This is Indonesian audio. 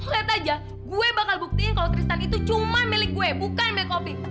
lihat aja gue bakal buktiin kalau tristan itu cuma milik gue bukan bay kopi